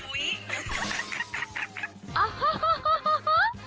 อุ๊ย